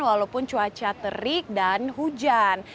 walaupun cuaca terik dan hujan